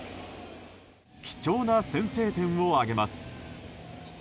貴重な先制点を挙げます。